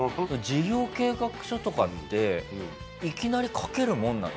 事業計画書とかっていきなり書けるもんなの？